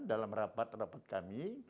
dalam rapat rapat kami